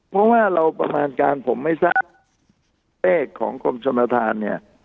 เพราะว่าเราประมาณการผมไม่ทราบเลขของกรมชนทานเนี่ย